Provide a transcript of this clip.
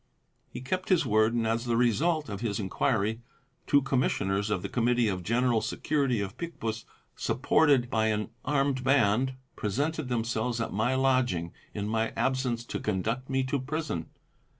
He kept his word, and as the result of his enquiry two Commissioners of the Committee of General Security of Picpus, supported by an armed band, presented themselves at my lodging in my absence to conduct me to prison.